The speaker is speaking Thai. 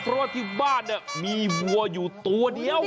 เพราะว่าที่บ้านมีวัวอยู่ตัวเดียว